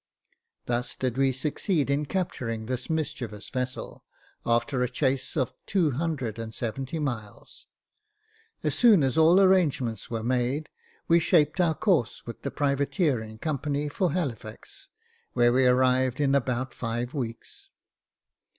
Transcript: Thus did we succeed in capturing this mischievous vessel, after a chase of two hundred and seventy miles. As soon as all the arrangements were made, we shaped our course, with the privateer in company, for Halifax, where we arrived in about five weeks.